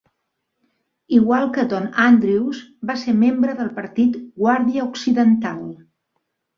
Igual que Don Andrews, va ser membre del partit Guàrdia Occidental.